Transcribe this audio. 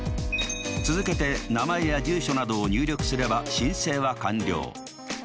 続けて名前や住所などを入力すれば申請は完了。